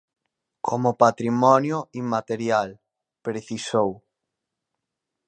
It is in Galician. "Como patrimonio inmaterial", precisou.